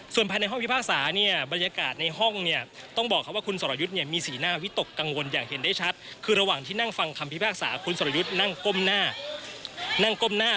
ส่วนภายในห้องพิพากษาเนี่ยบรรยากาศในห้องเนี่ยต้องบอกครับว่าคุณสรยุทธ์เนี่ยมีสีหน้าวิตกกังวลอย่างเห็นได้ชัดคือระหว่างที่นั่งฟังคำพิพากษาคุณสรยุทธ์นั่งก้มหน้านั่งก้มหน้า